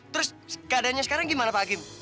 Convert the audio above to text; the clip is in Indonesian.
terus keadaannya sekarang gimana pak hakim